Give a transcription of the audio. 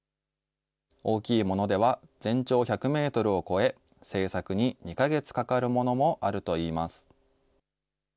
大きいものでは全長１００メートルを超え、製作に２か月かかるものもあるといいます。